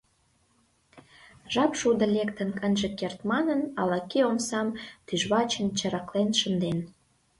Жап шуде лектын ынже керт манын, ала-кӧ омсам тӱжвачын чараклен шынден.